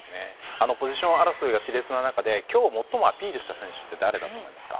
ポジション争いが熾烈な中で今日最もアピールした選手って誰だと思いますか。